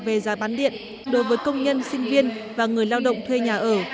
về giá bán điện đối với công nhân sinh viên và người lao động thuê nhà ở